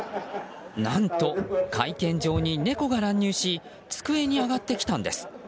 何と、会見場に猫が乱入し机に上がってきたんです。